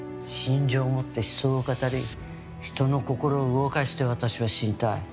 信条を持って思想を語り人の心を動かして私は死にたい。